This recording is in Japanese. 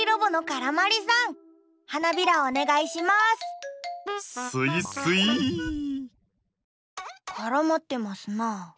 からまってますな。